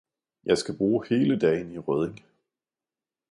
Jeg skal bruge hele dagen i Rødding